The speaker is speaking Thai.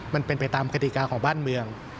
มันเป็นไปตามคดีการของบ้านเมือง